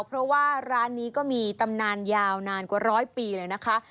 เพราะว่าร้านนี้ก็มีตำนานยาวนานกว่าร้อยปีเลยนะคะ